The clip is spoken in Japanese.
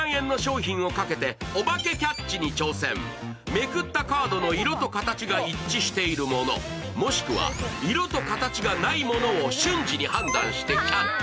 めくったカードの色と形が一致しているもの、もしくは色と形がないものを瞬時に判断してキャッチ。